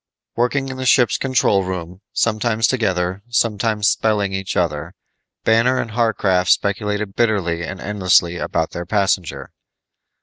Working in the ship's control room, sometimes together, sometimes spelling each other, Banner and Warcraft speculated bitterly and endlessly about their passenger.